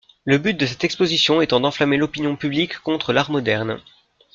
Le but de cette exposition étant d'enflammer l'opinion publique contre l'Art moderne.